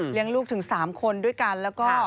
เลี้ยงลูกถึง๓คนด้วยกันแล้วก็